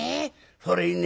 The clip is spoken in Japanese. それにね